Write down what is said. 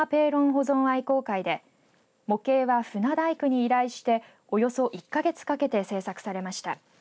保存愛好会で模型は船大工に依頼しておよそ１か月かけて制作されました。